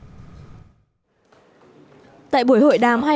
điều này là một bài hỏi của bộ trưởng ngoại giao phạm bình minh